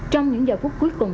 trong những giờ phút cuối cùng